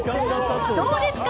どうですか？